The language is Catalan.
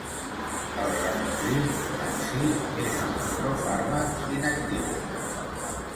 El ramipril en si és un profàrmac inactiu.